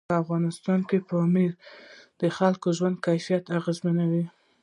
په افغانستان کې پامیر د خلکو د ژوند کیفیت اغېزمنوي.